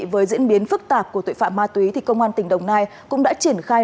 với diễn biến phức tạp của tội phạm ma túy công an tỉnh đồng nai cũng đã triển khai